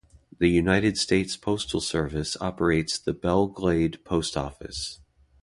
The United States Postal Service operates the Belle Glade Post Office.